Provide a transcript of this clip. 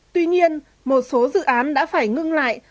tuy nhiên một số dự án đã phải ngưng lại